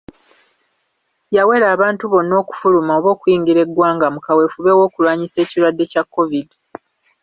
Yawera abantu bonna okufuluma oba okuyingira eggwanga mu kaweefube w'okulwanyisa ekirwadde kya COVID.